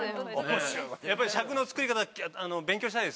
やっぱり尺の作り方勉強したいですか？